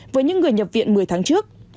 với những người nhập viện một mươi tháng trước